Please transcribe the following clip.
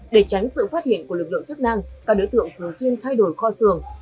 để tránh sự phát hiện của lực lượng chức năng các đối tượng thường xuyên thay đổi kho sường